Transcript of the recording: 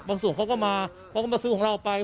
เขาก็มาเขาก็มาซื้อของเราไป